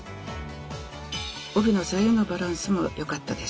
帯の左右のバランスも良かったです。